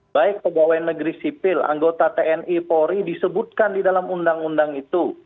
baik pegawai negeri sipil anggota tni polri disebutkan di dalam undang undang itu